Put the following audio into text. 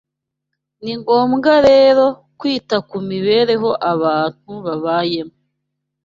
Ni ngombwa rero kwita ku mibereho abantu babayemo